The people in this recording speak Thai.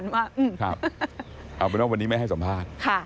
วันนี้ไม่ให้สัมภาษณ์